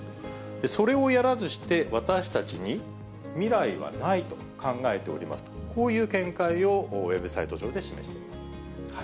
それをやらずして、私たちに未来はないと考えておりますと、こういう見解をウェブサイト上で示しております。